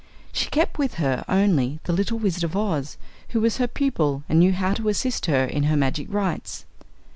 She kept with her only the little Wizard of Oz, who was her pupil and knew how to assist her in her magic rites.